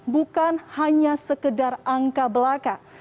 bukan hanya sekedar angka belaka